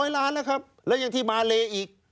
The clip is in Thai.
แล้วยังที่มาเลอีก